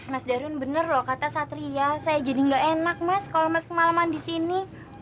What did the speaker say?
mas darun bener loh kata satria saya jadi nggak enak mas kalau mas kemalaman di sini